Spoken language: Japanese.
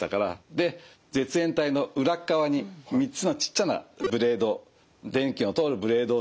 で絶縁体の裏っかわに３つのちっちゃなブレード電気の通るブレードをつけたんですね。